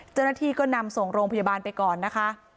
เจ้าหน้าที่ก็นำส่งโรงพยาบาลไปก่อนนะคะ